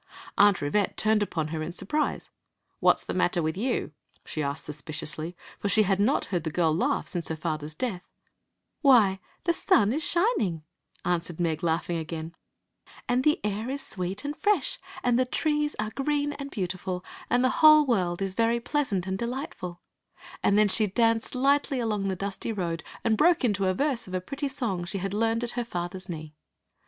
Aunt Rivette turned upon her in surprise. "What 's the matter with you? she asked suspi ciously, for she had not heard the girl laugh since her fathers death. Story of the Magic Cloak *Mi, im!> ttcsHSo rm um> aua, tutr mjooo." " Why, the sun is shining," answered Meg,^taugh ing again. " And the air is sweet and fresh, and the trees are green and beautiful, and the whole world is 42 Queen Zixi of Ix very pleasant and delightful." And then she danced lightly along the dusty road and broke into a verse of a pretty song she had learned at her father s knee.